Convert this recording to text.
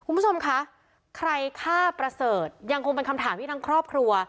คุณผู้ชมคะใครฆ่าประเสริฐยังคงเป็นคำถามที่ทั้งครอบครัว